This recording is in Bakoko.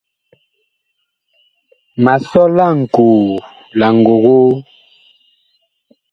Ma sɔ laŋkoo la ngogoo.